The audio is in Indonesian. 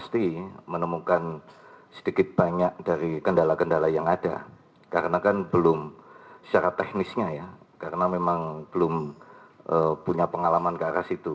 pasti menemukan sedikit banyak dari kendala kendala yang ada karena kan belum secara teknisnya ya karena memang belum punya pengalaman ke arah situ